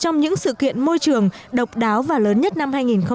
trong những sự kiện môi trường độc đáo và lớn nhất năm hai nghìn một mươi tám